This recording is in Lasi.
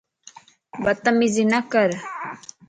بتميزي نَڪر